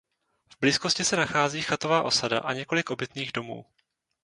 V blízkosti se nachází chatová osada a několik obytných domů.